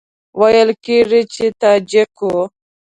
ویل کېږي چې تاجک وو.